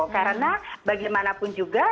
karena bagaimanapun juga